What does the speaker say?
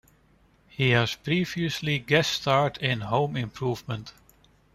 He has previously guest starred in "Home Improvement".